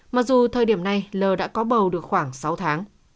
mặc dù thời điểm này l đã có bầu được khoảng sáu tháng